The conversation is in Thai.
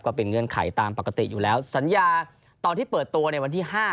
เงื่อนไขตามปกติอยู่แล้วสัญญาตอนที่เปิดตัวในวันที่๕